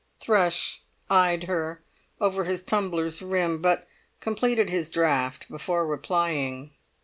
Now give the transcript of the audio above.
Thrush eyed her over his tumbler's rim, but completed his draught before replying.